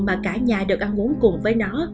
mà cả nhà được ăn uống cùng với nó